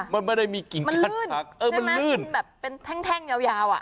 มันไม่ได้มีกลิ่นการทักมันเลื่อนใช่มั้ยแบบเป็นแท่งยาวอ่ะ